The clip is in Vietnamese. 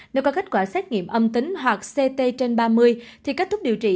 nếu có kết quả xét nghiệm âm tính hoặc ct trên ba mươi thì kết thúc điều trị